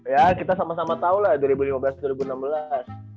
ya kita sama sama tahu lah dua ribu lima belas dua ribu enam belas